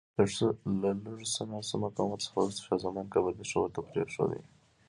له لږ څه ناڅه مقاومت څخه وروسته شاه زمان کابل پېښور ته پرېښود.